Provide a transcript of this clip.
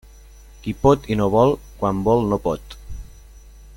Qui pot i no vol, quan vol no pot.